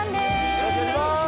よろしくお願いします！